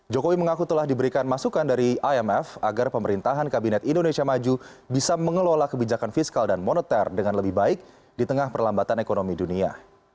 jokowi mengaku telah diberikan masukan dari imf agar pemerintahan kabinet indonesia maju bisa mengelola kebijakan fiskal dan moneter dengan lebih baik di tengah perlambatan ekonomi dunia